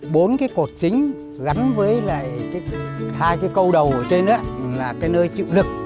bốn cái cột chính gắn với lại hai cái câu đầu ở trên đó là cái nơi chịu lực